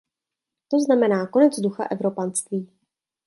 To znamená konec ducha evropanství.